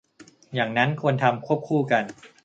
อย่างนั้นควรทำควบคู่กัน